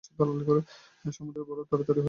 সমুদ্রের বরফ তাড়াতাড়ি গলে গেল।